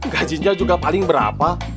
gajinya juga paling berapa